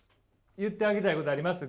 言ってあげたいことあります？